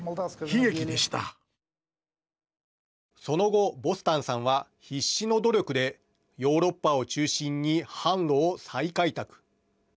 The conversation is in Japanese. その後、ボスタンさんは必死の努力でヨーロッパを中心に販路を再開拓。